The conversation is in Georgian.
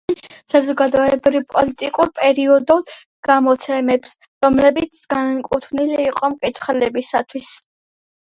თავდაპირველად პრესას უწოდებდნენ საზოგადოებრივ-პოლიტიკურ პერიოდულ გამოცემებს, რომლებიც განკუთვნილი იყო მკითხველისათვის.